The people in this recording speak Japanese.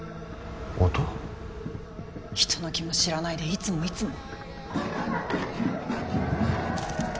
人の気も知らないでいつもいつも。